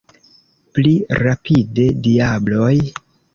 Pli rapide, diabloj!